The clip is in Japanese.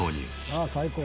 ああ最高。